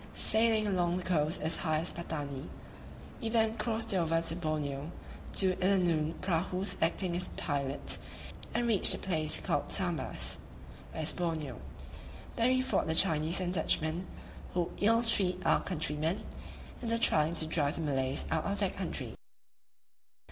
Sailing along the coast as high as Patani, we then crossed over to Borneo, two Illanoon prahus acting as pilots, and reached a place called Sambas [West Borneo]: there we fought the Chinese and Dutchmen, who ill treat our countrymen, and are trying to drive the Malays out of that country.